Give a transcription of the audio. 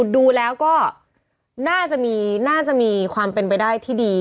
ดูแล้วก็น่าจะมีความเป็นไปได้ที่ดี